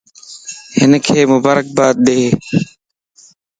ھنک مبارک باد ڏي